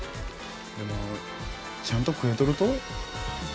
でもちゃんと食えとると？